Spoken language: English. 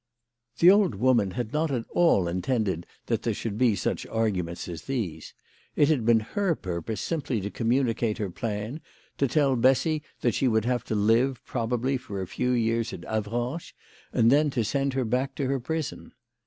The old woman had not at all intended that there should be such arguments as these. It had been her purpose simply to communicate her plan, to tell Bessy that she would have to live probably for a few years at Avranches, and then to send her back to her prison.